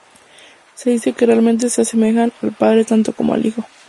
Se dice que realmente se asemejaba al padre tanto como al hijo.